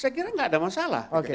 saya kira nggak ada masalah